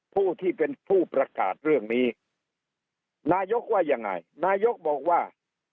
ผู้ที่เป็นผู้ประกาศเรื่องนี้นายกว่ายังไงนายกบอกว่า